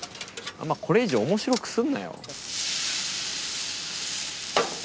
あんまこれ以上面白くすんなよ。